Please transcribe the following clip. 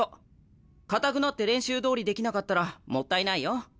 硬くなって練習どおりできなかったらもったいないよ。